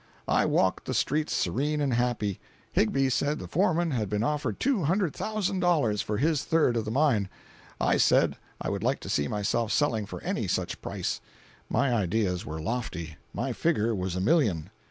I walked the streets serene and happy. Higbie said the foreman had been offered two hundred thousand dollars for his third of the mine. I said I would like to see myself selling for any such price. My ideas were lofty. My figure was a million.